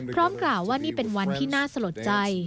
พร้อมกล่าวว่านี่เป็นวันที่น่าสลดใจ